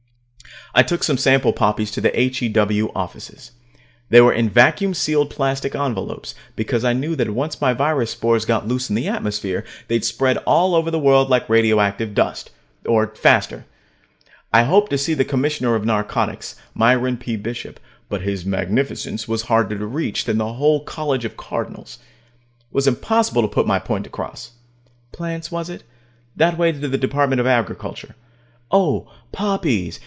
I took some sample poppies to the H.E.W. offices. They were in vacuum sealed plastic envelopes, because I knew that once my virus spores got loose in the atmosphere, they'd spread all over the world like radioactive dust, or faster. I hoped to see the Commissioner of Narcotics, Myron P. Bishop, but His Magnificence was harder to reach than the whole College of Cardinals. It was impossible to put my point across. Plants, was it? That way to the Department of Agriculture. Oh, poppies.